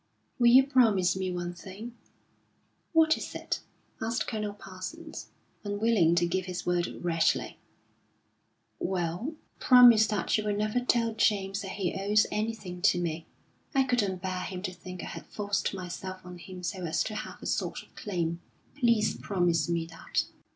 "Will you promise me one thing?" "What is it?" asked Colonel Parsons, unwilling to give his word rashly. "Well, promise that you will never tell James that he owes anything to me. I couldn't bear him to think I had forced myself on him so as to have a sort of claim. Please promise me that."